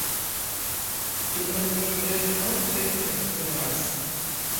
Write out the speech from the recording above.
Tion mi tre forte esperas.